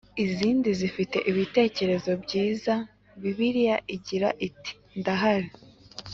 izindi zifite ibitekerezo byiza Bibiliya igira iti ndaari